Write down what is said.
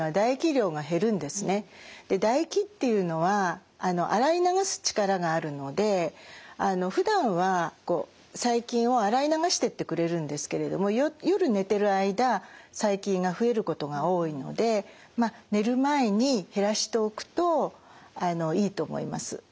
で唾液っていうのは洗い流す力があるのでふだんは細菌を洗い流してってくれるんですけれども夜寝てる間細菌が増えることが多いので寝る前に減らしておくといいと思います。